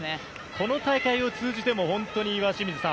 この大会を通じても岩清水さん